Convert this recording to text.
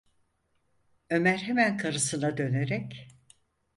Ömer hemen karısına dönerek: